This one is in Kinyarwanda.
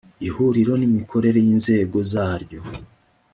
ihuriro n imikorere y inzego zaryo